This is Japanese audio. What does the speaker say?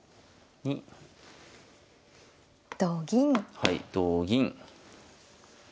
はい同銀。